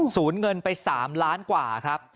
ศูนย์เงินไป๓ล้านกว่าครับ